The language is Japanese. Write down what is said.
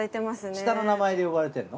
下の名前で呼ばれてんの？